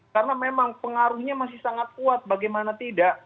karena memang pengaruhnya masih sangat kuat bagaimana tidak